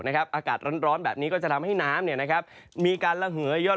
อากาศร้อนแบบนี้ก็จะทำให้น้ำมีการระเหยย่อน